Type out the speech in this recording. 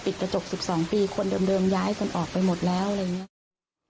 กระจก๑๒ปีคนเดิมย้ายคนออกไปหมดแล้วอะไรอย่างนี้ค่ะ